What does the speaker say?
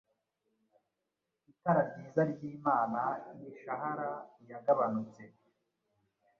Itara ryiza ryImana imishahara yagabanutse